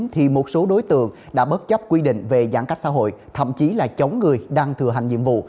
thì một số đối tượng đã bất chấp quy định về giãn cách xã hội thậm chí là chống người đang thừa hành nhiệm vụ